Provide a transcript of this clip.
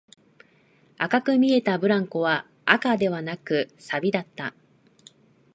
赤く見えたブランコは赤ではなく、錆だった